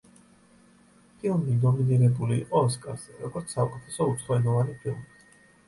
ფილმი ნომინირებული იყო ოსკარზე, როგორც საუკეთესო უცხოენოვანი ფილმი.